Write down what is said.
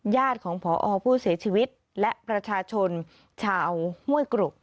ญาติของพอผู้เสียชีวิตและประชาชนชาวห้วยกรุก